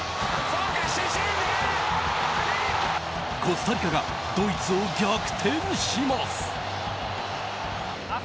コスタリカがドイツを逆転します。